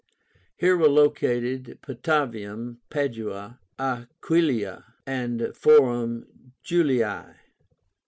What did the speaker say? Here were located Patavium (Padua), Aquileia, and Forum Julii.